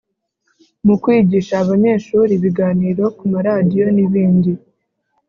mu kwigisha abanyeshuri ibiganiro ku maradiyo n ibindi